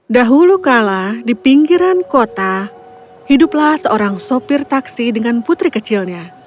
dahulu kala di pinggiran kota hiduplah seorang sopir taksi dengan putri kecilnya